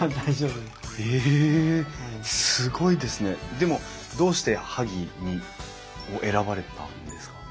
でもどうして萩を選ばれたんですか？